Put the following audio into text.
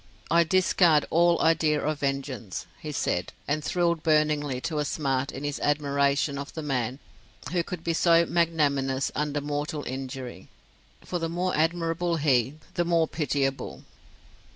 "I discard all idea of vengeance," he said, and thrilled burningly to a smart in his admiration of the man who could be so magnanimous under mortal injury; for the more admirable he, the more pitiable.